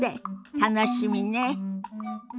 楽しみね。